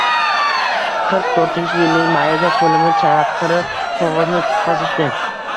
Qirq to`rtinchi yilning mayida qo`limga chaqiriq qog`ozini tutqazishdi